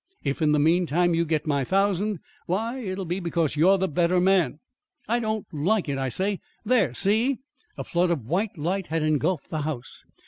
If, in the meantime, you get my thousand, why, it'll be because you're the better man." "I don't like it, I say. There, SEE!" A flood of white light had engulfed the house.